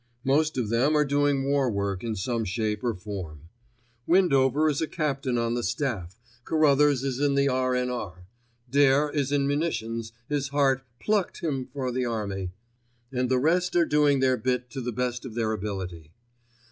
Most of them are doing war work in some shape or form. Windover is a captain on the Staff, Carruthers is in the R.N.R., Dare is in munitions, his heart "plucked" him for the army, and the rest are doing their bit to the best of their ability.